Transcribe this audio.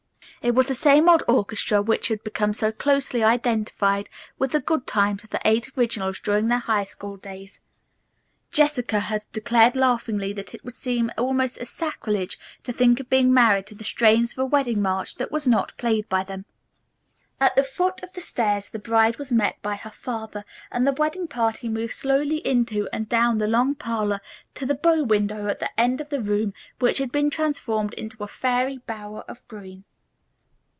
It was the same old orchestra which had become so closely identified with the good times of the Eight Originals during their high school days. Jessica had declared laughingly that it would seem almost a sacrilege to think of being married to the strains of a wedding march that was not played by them. At the foot of the stairs the bride was met by her father, and the wedding party moved slowly into and down the long parlor to the bow window at the end of the room which had been transformed into a fairy bower of green.